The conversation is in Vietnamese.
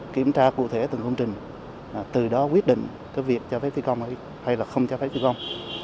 kiểm tra cụ thể từng công trình từ đó quyết định cái việc cho phép thi công hay là không cho phép thi công